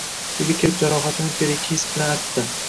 Uyga kirib jaroxatini perekis bilan artdi.